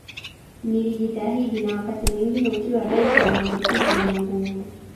Nilijitahidi na wakati mwingine ukiwa Rais na mwenyekiti una nguvu